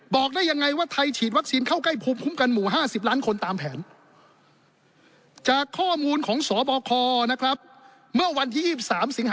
บอกได้อย่างไรว่าไทยฉีดวัคซีนเข้าใกล้ภูมิคุ้มกันหมู่๕๐ล้านคนตามแผน